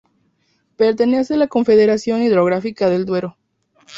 Pertenece a la Confederación Hidrográfica del Duero.